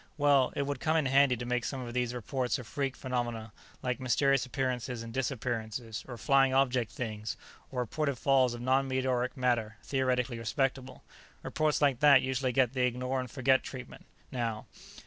Well, it would come in handy to make some of these reports of freak phenomena, like mysterious appearances and disappearances, or flying object sightings, or reported falls of non meteoric matter, theoretically respectable. Reports like that usually get the ignore and forget treatment, now."